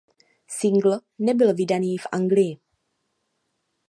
Singl nebyl vydaný v Anglii.